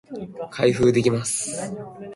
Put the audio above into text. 開封できます